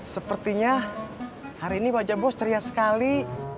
sepertinya hari ini wajah bos teriak sekali